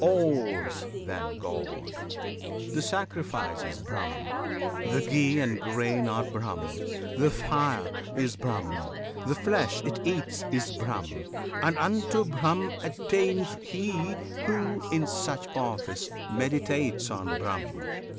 All's then God! The sacrifice is Brahm, the ghee and grain Are Brahm, the fire is Brahm, the flesh it eats Is Brahm, and unto Brahm attaineth he Who, in such office, meditates on Brahm.